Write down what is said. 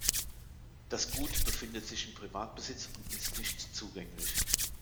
Das Gut befindet sich in Privatbesitz und ist nicht zugänglich.